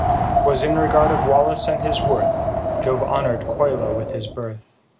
'Twas in regard of Wallace and his worth, Jove honour'd Coila with his birth, ODE.